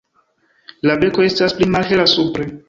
La beko estas pli malhela supre.